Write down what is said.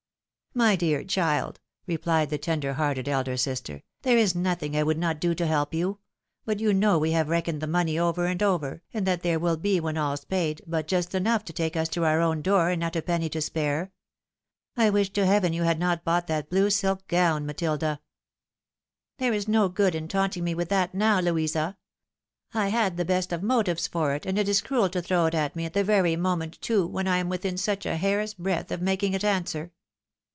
"My dear child," replied the tender hearted elder sister, " there is nothing I would not do to help you ; but you know we have reckoned the money over and over, and that there will be, when all's paid, but just enough to take us to our own door, and not a penny to spare. I wish to heaven you had not bought that blue sDk gown, Matilda !"" There is no good in taunting me with that now, Louisa ; I had the best of motives for it, and it is cruel to throw it at me, at the very moment too when I am within such a hair's breadth of making it answer.